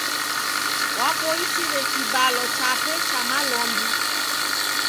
Waboisire kibalo chape cha malombi.